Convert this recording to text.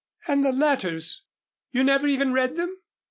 "And the letters you never even read them?"